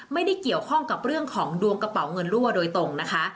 ไม่ได้เกี่ยวข้องกับเรื่องของดวงกระเป๋าเงินรั่วโดยตรงนะคะ